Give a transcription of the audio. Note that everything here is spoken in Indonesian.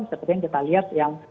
seperti yang kita lihat yang